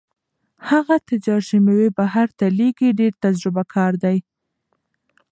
هغه تجار چې مېوې بهر ته لېږي ډېر تجربه کار دی.